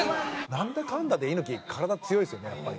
なんだかんだで猪木体強いですよねやっぱり。